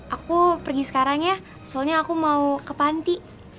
aku pergi sekarang ya soalnya aku mau ke panti